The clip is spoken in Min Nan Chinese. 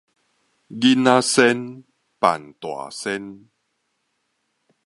囡仔仙，扮大仙